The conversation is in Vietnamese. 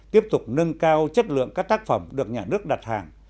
tiếp tục nâng cao chất lượng các tác phẩm được nhà nước đặt hàng